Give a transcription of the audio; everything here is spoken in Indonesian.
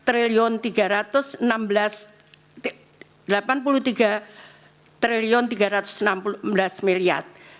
delapan puluh tiga tiga ratus enam belas rupiah